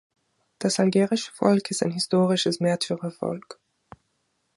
Das algerische Volk ist ein historisches Märtyrervolk.